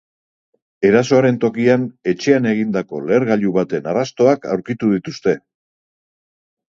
Erasoaren tokian, etxean egindako lehergailu baten arrastoak aurkitu dituzte.